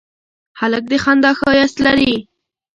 هلک د خندا ښایست لري.